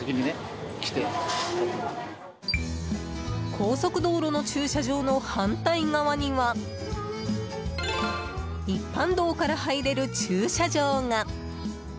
高速道路の駐車場の反対側には一般道から入れる駐車場が。